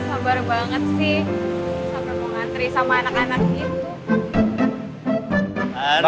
sabar mau ngantri sama anak anak itu